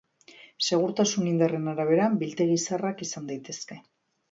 Segurtasun indarren arabera, biltegi zaharrak izan daitezke.